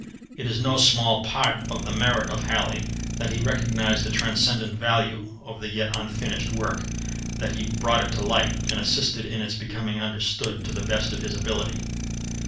It is no small part of the merit of Halley that he recognized the transcendent value of the yet unfinished work, that he brought it to light, and assisted in its becoming understood to the best of his ability.